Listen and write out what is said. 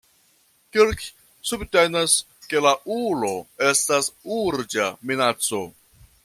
Kirk subtenas, ke la ulo estas urĝa minaco.